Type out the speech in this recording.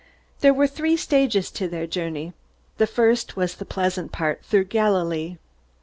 There were three stages to their journey. The first was the pleasant part, through Galilee.